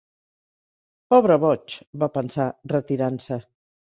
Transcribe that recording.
-Pobre boig!- va pensar, retirant-se